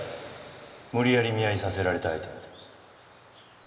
無理やり見合いさせられた相手って。